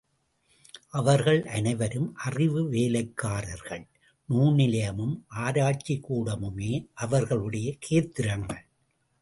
அவர்கள் அனைவரும் அறிவு வேலைக்காரர்கள், நூல் நிலையமும், ஆராய்ச்சிக்கூடமுமே அவர்களுடைய கேந்திரங்கள்.